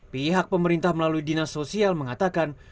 pihak pemerintah melalui dinas sosial mengatakan